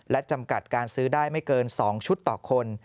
และจำกัดการซื้อได้ไม่เกิน๒ชุดต่อคน